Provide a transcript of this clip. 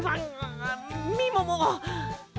みもも